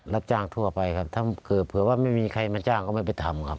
รับจ้างทั่วไปครับถ้าเกิดเผื่อว่าไม่มีใครมาจ้างก็ไม่ไปทำครับ